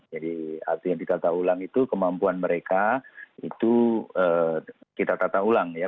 jadi artinya ditata ulang itu kemampuan mereka itu kita tata ulang ya